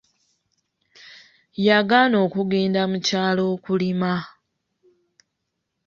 Yagaana okugenda mukyalo okulima.